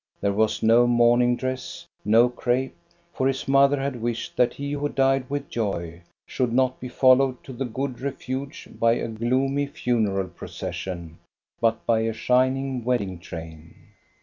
There was no mourning dress, no crape ; for his mother had wished that he who died with joy should not be followed to the good refuge by a gloomy funeral pro cession, but by a shining wedding train.